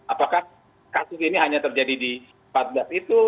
apakah kasus ini hanya terjadi di empat belas itu